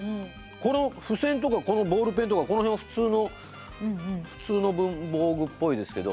このふせんとかこのボールペンとかこの辺は普通の普通の文房具っぽいですけど。